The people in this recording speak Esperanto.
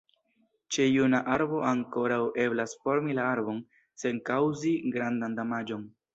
Ĉe juna arbo ankoraŭ eblas formi la arbon, sen kaŭzi grandan damaĝon.